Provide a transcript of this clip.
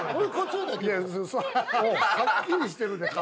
はっきりしてるで顔。